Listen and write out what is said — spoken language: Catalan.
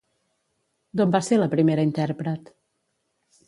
D'on va ser la primera intèrpret?